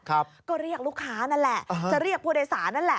ก็เรียกลูกค้านั่นแหละจะเรียกผู้โดยสารนั่นแหละ